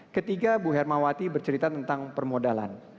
ketiga bu hermawati bercerita tentang permodalan